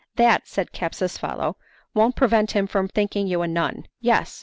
'That,' said Capsucefalo, 'won't prevent him from thinking you a nun yes!